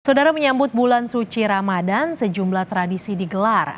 saudara menyambut bulan suci ramadan sejumlah tradisi digelar